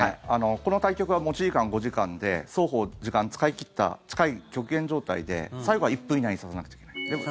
この対局は持ち時間５時間で双方、時間使い切った極限状態で最後は１分以内に指さなくちゃいけない。